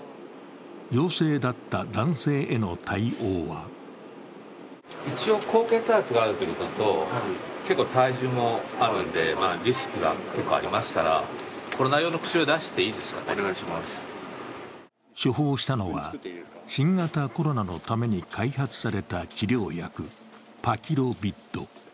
陽性だった男性への対応は処方したのは、新型コロナのために開発された治療薬パキロビッド。